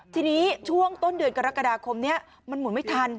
ทีนี้ช่วงต้นเดือนกรกฎาคมนี้มันหมุนไม่ทัน